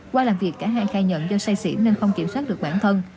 qua làm việc cả hai khai nhận do say xỉn nên không kiểm soát được bản thân